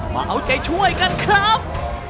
เปล่าใจช่วยกันครับ